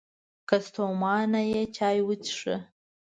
که ستومانه یې، چای وڅښه!